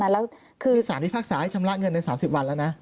มีสารวิพากษาให้ชำระเงินใน๓๐วันแล้วนะ